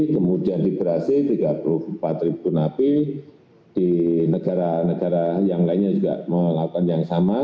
kemudian di brazil tiga puluh empat napi di negara negara yang lainnya juga melakukan yang sama